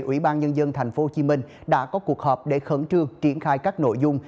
ủy ban nhân dân tp hcm đã có cuộc họp để khẩn trương triển khai các nội dung